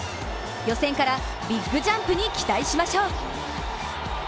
予選からビッグジャンプに期待しましょう。